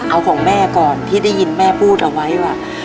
เอาของแม่ก่อนที่ได้ยินแม่พูดเอาไว้ว่า